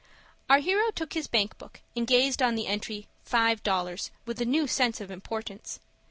Our hero took his bank book, and gazed on the entry "Five Dollars" with a new sense of importance.